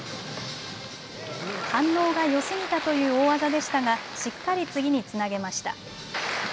反応がよすぎたという大技でしたが、しっかり次につなげました。